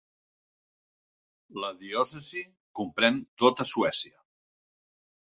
La diòcesi comprèn tota Suècia.